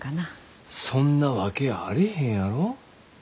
そんなわけあれへんやろ。